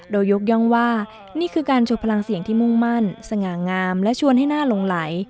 โดยยกย่องว่านี่คือการโชว์พลังเสียงที่มุ่งมั่นสง่างามและชวนให้น่าหลงไหล